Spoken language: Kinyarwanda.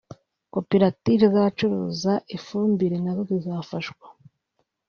Koperative z’abacuruza ifumbire nazo zizafashwa